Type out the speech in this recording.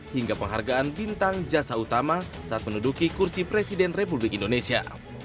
hingga penghargaan bintang jasa utama saat menuduki kursi presiden republik indonesia